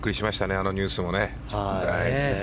あのニュースも。